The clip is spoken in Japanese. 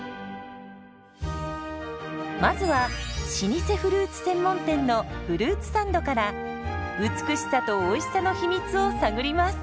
まずは老舗フルーツ専門店のフルーツサンドから美しさとおいしさの秘密を探ります。